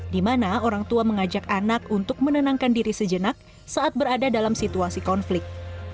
di mana orang tua mengajak anak untuk menenangkan diri sejenak saat berada dalam situasi konflik